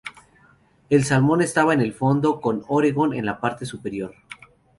El salmón estaba en el fondo, con Oregón en la parte superior.